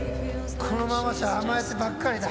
このままじゃ甘えてばっかりだ。